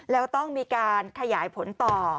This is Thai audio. แล้วต้องมีการขยายผลต่อ